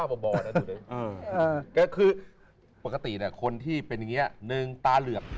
ก็คือปกติคนที่เป็นอย่างนี้หนึ่งตาเหลือก